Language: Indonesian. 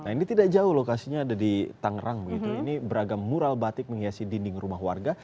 nah ini tidak jauh lokasinya ada di tangerang begitu ini beragam mural batik menghiasi dinding rumah warga